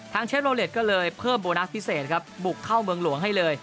เชฟโลเล็ตก็เลยเพิ่มโบนัสพิเศษครับบุกเข้าเมืองหลวงให้เลย